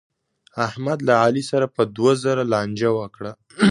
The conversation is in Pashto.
احمد له علي سره په دوه زره لانجه وکړه.